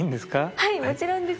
はいもちろんです。